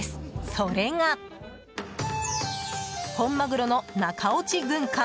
それが、本マグロの中落ち軍艦。